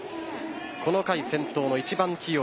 この回、先頭の１番起用